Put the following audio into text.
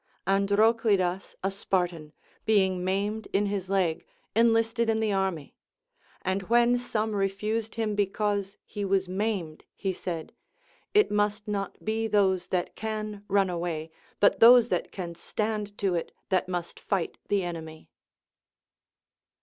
Androclidas a Spartan, being maimed in his leg, enhsted in the army ; and when some refused him because he Λvas maimed, he said. It must not be those that can run away, but those that can stand to it, that must fight the enemy.